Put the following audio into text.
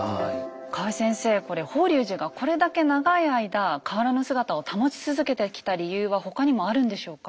河合先生これ法隆寺がこれだけ長い間変わらぬ姿を保ち続けてきた理由は他にもあるんでしょうか？